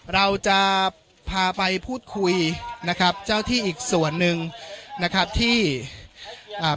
เราจะพาไปพูดคุยนะครับเจ้าที่อีกส่วนหนึ่งนะครับที่อ่า